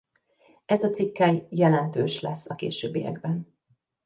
Ez a cikkely jelentős lesz a későbbiekben.